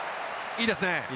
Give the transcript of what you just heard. いいですね。